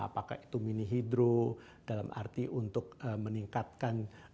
apakah itu mini hidro dalam arti untuk meningkatkan